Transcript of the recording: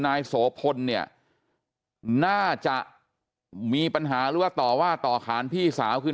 นายโสพลเนี่ยน่าจะมีปัญหาหรือว่าต่อว่าต่อขานพี่สาวคือ